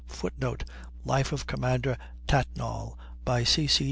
[Footnote: Life of Commodore Tatnall, by C. C.